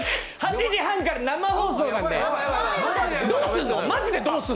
８時半から生放送なんで。